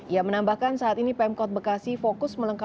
ia menambahkan saat ini pemkot bekasi fokus melengkapi